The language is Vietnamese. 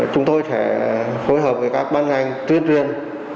chúng tôi sẽ phối hợp với các ban ngành tuyên truyền